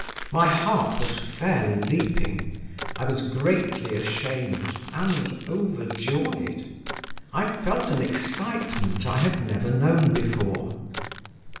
My heart was fairly leaping; I was greatly ashamed and overjoyed; I felt an excitement I had never known before.